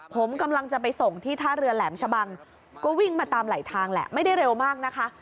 ผมกำลังจะไปส่งที่ท่าเรือแหลมชะบังก็วิ่งมาตามไหลทางแหละไม่ได้เร็วมากนะคะ